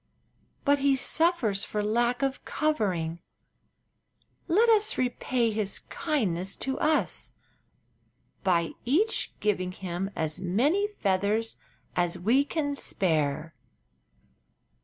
But he suffers for lack of covering. Let us repay his kindness to us by each giving him as many feathers as we can spare."